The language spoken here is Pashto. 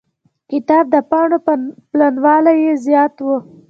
کتاب د پاڼو پلنوالی يې زيات و.